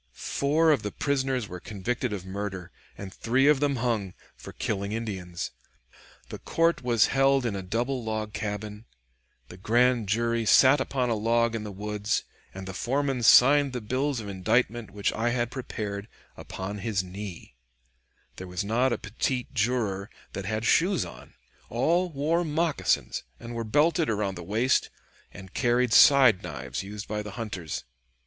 Four of the prisoners were convicted of murder, and three of them hung, for killing Indians. The court was held in a double log cabin, the grand jury sat upon a log in the woods, and the foreman signed the bills of indictment, which I had prepared, upon his knee; there was not a petit juror that had shoes on; all wore moccasins, and were belted around the waist, and carried side knives used by the hunters."